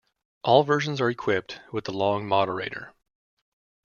All versions are equipped with the long moderator.